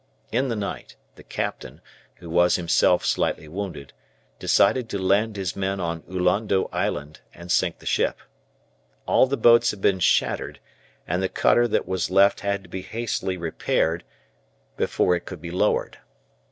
In the night, the captain, who was himself slightly wounded, decided to land his men on Ullondo Island and sink the ship. All the boats had been shattered and the cutter that was left had to be hastily repaired before it could be lowered.